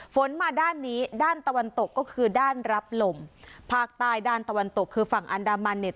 ฝนมาด้านนี้ด้านตะวันตกก็คือด้านรับลมภาคใต้ด้านตะวันตกคือฝั่งอันดามันเนี่ย